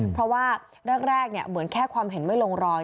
เพราะว่าแรกเหมือนแค่ความเห็นไม่ลงรอย